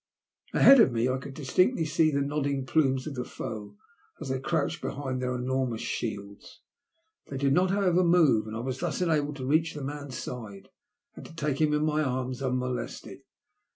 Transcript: Ahead of me I could distinctly see the nodding plumes of the foe as they crouched behind their enormous shields. They did not, however, move, and I was thus enabled to reach the man*s side, and to take him in my arms unmolested.